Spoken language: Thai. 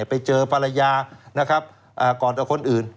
ไปเจอภรรยานะครับก่อนกับคนอื่น